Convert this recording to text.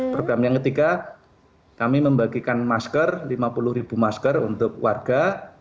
program yang ketiga kami membagikan masker lima puluh ribu masker untuk warga